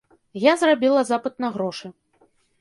Я зрабіла запыт на грошы.